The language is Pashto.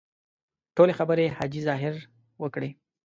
ټولې خبرې حاجي ظاهر وکړې.